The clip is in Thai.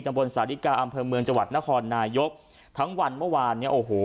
บนสาธิกาอำเภอเมืองจังหวัดนครนายกทั้งวันเมื่อวานเนี้ยโอ้โห